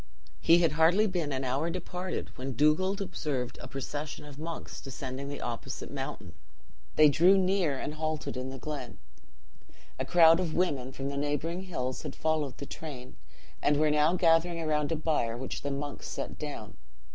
"He had hardly been an hour departed when Dugald observed a procession of monks descending the opposite mountain. They drew near and halted in the glen. A crowd of women from the neighboring hills had followed the train, and were now gathering around a bier which the monks set down.